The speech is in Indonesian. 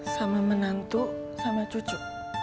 sama menantu sama cucu